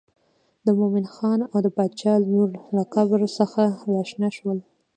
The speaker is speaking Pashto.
د مومن خان او د باچا لور له قبر څخه راشنه شول.